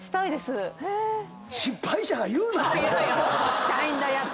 したいんだやっぱり。